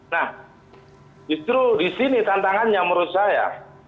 nah justru di sini tantangannya menurut saya